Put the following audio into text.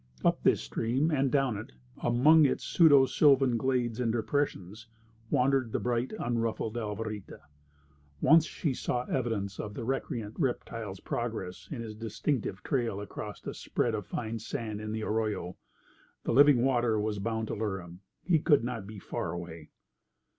Up this stream, and down it, among its pseudo sylvan glades and depressions, wandered the bright and unruffled Alvarita. Once she saw evidence of the recreant reptile's progress in his distinctive trail across a spread of fine sand in the arroyo. The living water was bound to lure him; he could not be far away.